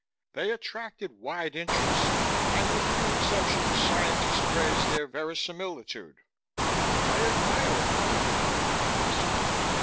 They attracted wide interest, and with few exceptions, scientists praised their verisimilitude." "I admire a clever fake," I said.